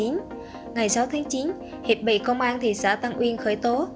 ngày sáu tháng chín hiệp bị công an thị xã tân uyên khởi tố